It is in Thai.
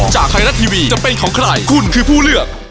จากไทยรัฐทีวีจะเป็นของใครคุณคือผู้เลือก